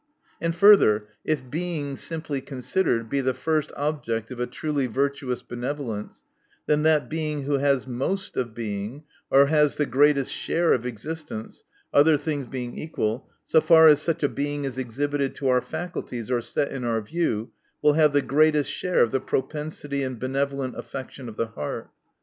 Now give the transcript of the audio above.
And further, if Being; simply considered, be the first object of a truly virtu ous benevolence, then that Being who has most of Being, or has the greatest share of existence, other things being equal, so far as such a Being is exhibited to our faculties or set in our view, will have the greatest share of the propensity and benevolent affection of the heart.